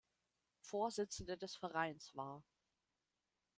Vorsitzende des Vereins war.